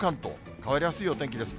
変わりやすいお天気です。